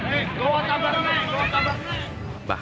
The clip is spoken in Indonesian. jawa tambah jawa tambah